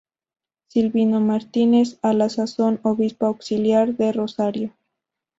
Silvino Martínez, a la sazón obispo auxiliar de Rosario.